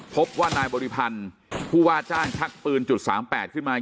พบว่านายบริพันธ์ผู้ว่าจ้างชักปืนจุด๓๘ขึ้นมา